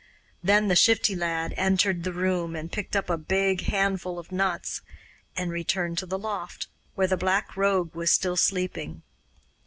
Then the Shifty Lad entered the room and picked up a big handful of nuts, and returned to the loft, where the Black Rogue was still sleeping.